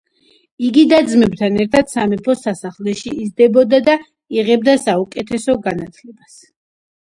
იგი და-ძმებთან ერთად სამეფო სასახლეში იზრდებოდა და იღებდა საუკეთესო განათლებას.